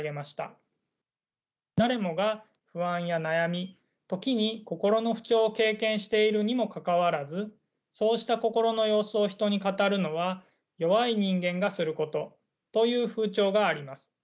誰もが不安や悩み時に心の不調を経験しているにもかかわらずそうした心の様子を人に語るのは弱い人間がすることという風潮があります。